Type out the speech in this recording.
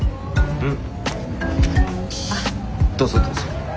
うん。